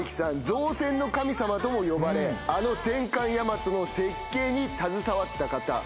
造船の神様とも呼ばれあの戦艦大和の設計に携わった方。